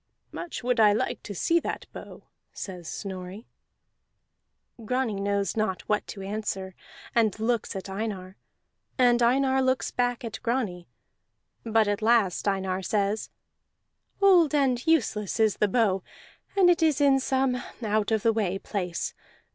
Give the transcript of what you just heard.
"Much would I like to see that bow," says Snorri. Grani knows not what to answer and looks at Einar, and Einar looks back at Grani; but at last Einar says: "Old and useless is the bow, and it is in some out of the way place.